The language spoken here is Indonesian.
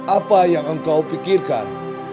apa yang engkau pikirkan